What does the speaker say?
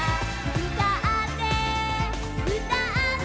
「うたってうたって」